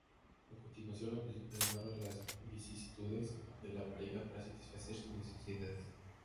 A continuación, la película narra las vicisitudes de la pareja para satisfacer sus necesidades.